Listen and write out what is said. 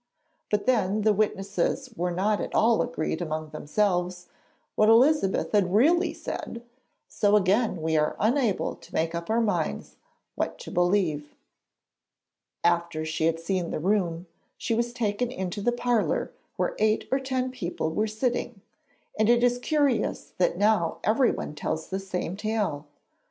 But then the witnesses were not at all agreed among themselves what Elizabeth had really said, so again we are unable to make up our minds what to believe. After she had seen the room, she was taken into the parlour where eight or ten people were sitting, and it is curious that now everyone tells the same tale.